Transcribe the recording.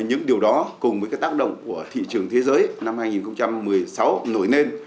những điều đó cùng với cái tác động của thị trường thế giới năm hai nghìn một mươi sáu nổi lên